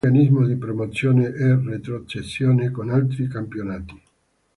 Non esiste un meccanismo di promozioni e retrocessioni con altri campionati.